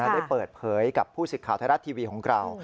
ได้เปิดเผยกับผู้สิทธิ์ข่าวไทยรัฐทีวีของเรา